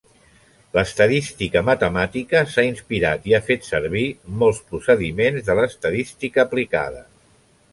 L'estadística matemàtica s'ha inspirat en i ha fet servir molts procediments de l'estadística aplicada.